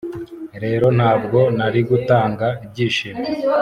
rero ntabwo narigutanga ibyishimo